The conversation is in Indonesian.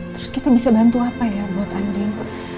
terus kita bisa bantu apa ya buat andin